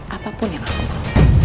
apapun yang aku mau